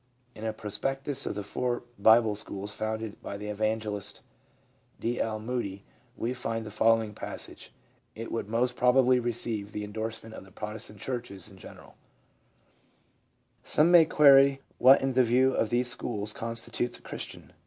In a prospectus of the four Bible schools founded by the evangelist, D. L. Moody, we find the following passage ; it would most probably re ceive the endorsement of the Protestant churches in gen eral : Some may query what in the view of these schools constitutes a Christian.